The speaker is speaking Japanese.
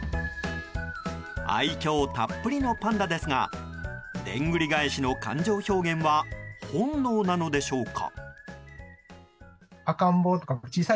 愛嬌たっぷりのパンダですがでんぐり返しの感情表現は本能なのでしょうか。